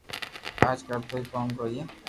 اج ڪرو تو ڪوم ھوئي